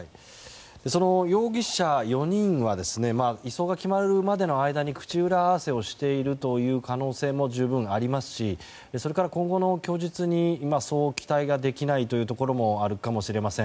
容疑者４人は位相が決まるまでの間に口裏合わせをしている可能性も十分にありますしそれから、今後の供述にそう期待ができないところもあるかもしれません。